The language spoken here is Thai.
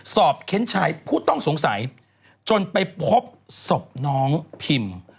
เค้นชายผู้ต้องสงสัยจนไปพบศพน้องพิม